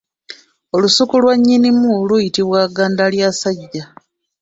Olusuku lwa nnyinimu luyitibwa Gandalyassajja.